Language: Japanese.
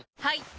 はい！